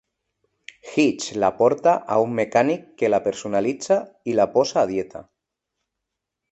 Hitch la porta a un mecànic que la personalitza i la "posa a dieta".